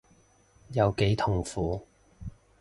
有幾痛苦